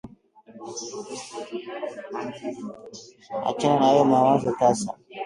"Achana na hayo mawazo tasa